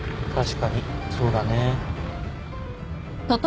確かにそうだね。